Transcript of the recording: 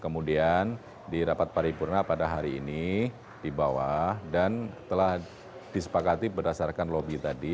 kemudian di rapat paripurna pada hari ini di bawah dan telah disepakati berdasarkan lobby tadi